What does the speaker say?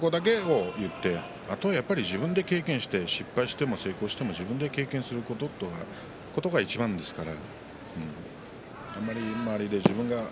気になるところだけ少し言ってあとは自分で経験をして失敗しても成功しても自分やることがいちばんですから。